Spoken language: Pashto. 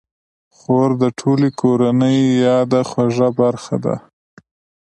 خور د ټولې کورنۍ یاده خوږه برخه ده.